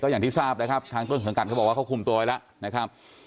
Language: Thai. อย่างที่ทราบนะครับทางต้นสังกัดเขาบอกว่าเขาคุมตัวไว้แล้วนะครับ